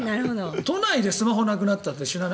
都内でスマホなくなったって死なない。